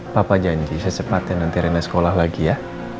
papa janji saya sepatin nanti reina sekolah lagi ya